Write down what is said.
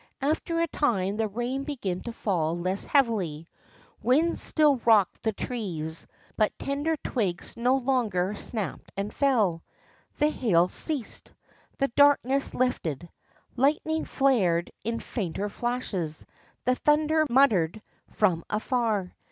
After a time the rain began to fall less heavily. Wind still rocked the trees, but tender twigs no longer snapped and fell. The hail ceased. The darkness lifted, lightning flared in fainter flashes, the thun der muttered from afar.